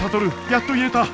やっと言えた！